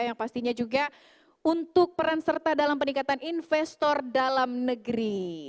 yang pastinya juga untuk peran serta dalam peningkatan investor dalam negeri